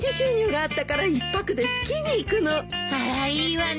あらいいわね。